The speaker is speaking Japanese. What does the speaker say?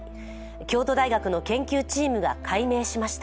京都大学の研究チームが解明しました。